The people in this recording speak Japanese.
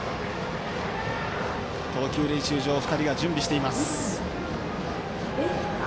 投球練習場２人が準備しています。